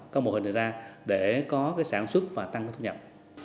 các mô hình này ra để có cái sản xuất và tăng thu nhập